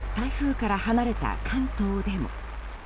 また、影響は台風から離れた関東でも。